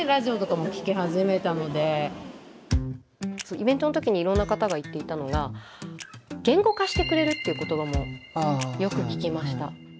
イベントの時にいろんな方が言っていたのが言語化してくれるっていう言葉もよく聞きました。